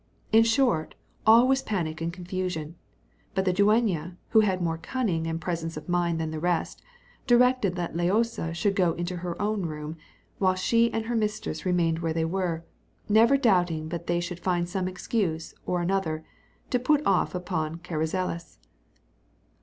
In short, all was panic and confusion; but the dueña, who had more cunning and presence of mind than the rest, directed that Loaysa should go into her own room, whilst she and her mistress remained where they were, never doubting but they should find some excuse or another to put off upon Carrizales.